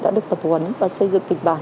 đã được tập huấn và xây dựng kịch bản